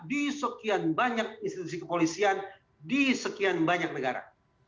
di sekian banyak institusi kepolisian di sekian banyak negara